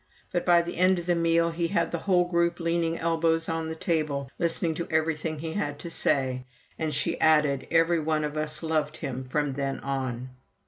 But by the end of the meal he had the whole group leaning elbows on the table, listening to everything he had to say; and she added, "Every one of us loved him from then on."